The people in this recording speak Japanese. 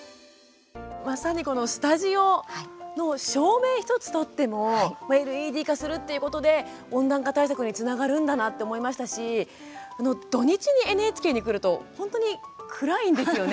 まさにこのスタジオの照明１つとってもＬＥＤ化するっていうことで温暖化対策につながるんだなって思いましたし土日にＮＨＫに来ると本当に暗いんですよね。